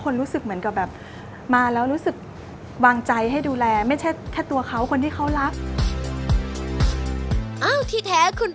นี่คือของให้เราใช้จริงเลยใช่แล้วบางทีแบบว่าเชฟจะขึ้นซุป